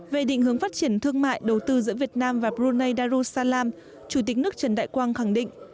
về định hướng phát triển thương mại đầu tư giữa việt nam và brunei darussalam chủ tịch nước trần đại quang khẳng định